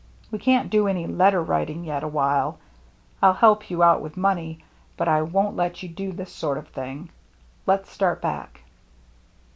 We can't do any letter writing yet awhile. I'll help you out with money, but I won't let you do this sort of thing. Let's start back."